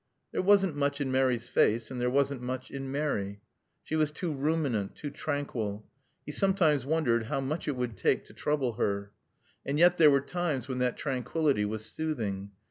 There wasn't much in Mary's face, and there wasn't much in Mary. She was too ruminant, too tranquil. He sometimes wondered how much it would take to trouble her. And yet there were times when that tranquillity was soothing.